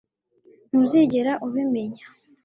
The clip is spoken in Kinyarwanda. Ntuzigera ubimenya